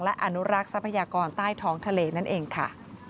และอนุรักษ์ทรัพยากรใต้ท้องทะเลนั่นเองค่ะ